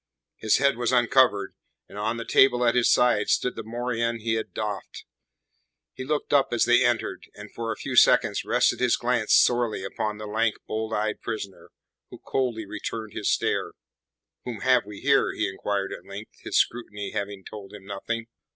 His head was uncovered, and on the table at his side stood the morion he had doffed. He looked up as they entered, and for a few seconds rested his glance sourly upon the lank, bold eyed prisoner, who coldly returned his stare. "Whom have we here?" he inquired at length, his scrutiny having told him nothing.